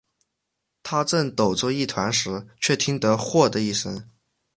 他正抖作一团时，却听得豁的一声